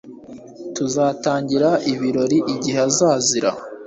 Tuzatangira ibirori igihe azazira